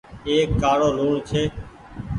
ايڪ ڪآڙو لوڻ ڇي۔